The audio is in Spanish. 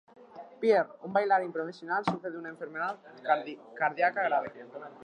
Pierre, un bailarín profesional, sufre de una enfermedad cardíaca grave.